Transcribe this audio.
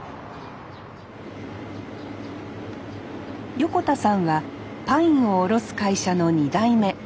横田さんはパインを卸す会社の２代目。